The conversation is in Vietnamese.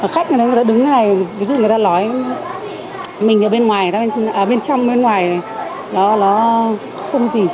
khách người ta đứng này người ta nói mình ở bên trong bên ngoài nó không gì